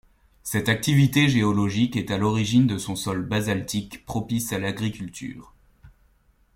Cette activité géologique est à l'origine de son sol basaltique propice à l'agriculture.